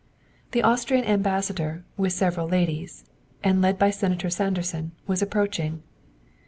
The Austrian Ambassador, with several ladies, and led by Senator Sanderson, was approaching.